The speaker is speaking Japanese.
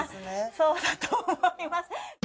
そうだと思います。